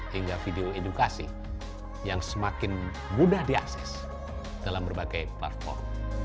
hingga video edukasi yang semakin mudah diakses dalam berbagai platform